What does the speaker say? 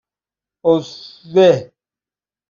اُسوه